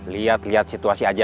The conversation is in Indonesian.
lihat lihat situasi aja